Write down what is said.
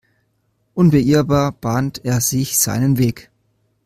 Unbeirrbar bahnt er sich seinen Weg.